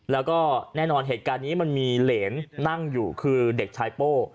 แล้วก็แน่นอนเหตุการณ์นี้มันมีเหรนนั่งอยู่คือเด็กชายโป้